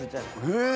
へえ！